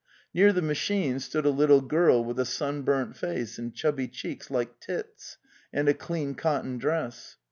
Near the ma chine stood a little girl with a sunburnt face and chubby cheeks like Tit's, and a clean cotton dress.